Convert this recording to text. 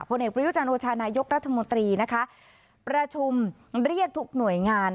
เอกประยุจันทร์โอชานายกรัฐมนตรีนะคะประชุมเรียกทุกหน่วยงาน